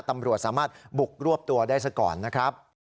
ตำรวจสามารถบุกรวบตัวได้ซะก่อนนะครับ